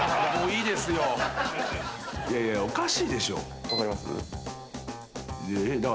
いやいやおかしいでしょ。